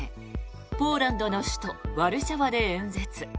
ポーランドの首都ワルシャワで演説。